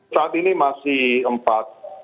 saat ini masih empat